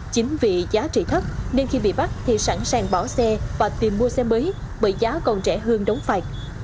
chính vì giá trị thấp nên khi bị bắt thì sẵn sàng bỏ xe và tìm mua xe mới bởi giá còn rẻ hơn đóng phạt